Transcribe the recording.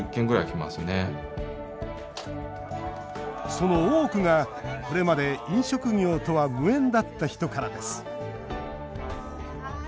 その多くが、これまで飲食業とは無縁だった人からです。